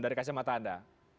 dari kasihan mata anda